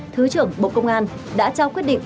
thứ trưởng bộ công an đã trao quyết định